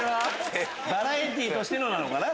バラエティーとしてのなのかな。